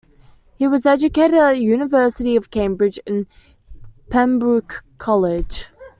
He was educated at the University of Cambridge, in Pembroke College.